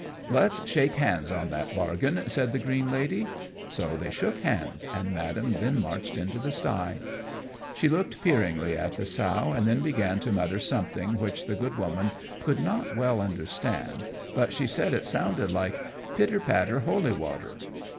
"Let's shake hands on that bargain," said the green Lady; so they shook hands, and madam then marched into the sty. She looked peeringly at the sow, and then began to mutter something which the good woman could not well understand, but she said it sounded like "Pitter patter, Holy water."